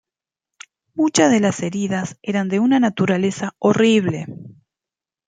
Muchas de las heridas eran de una naturaleza horrible.